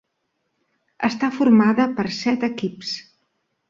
Està formada per set equips.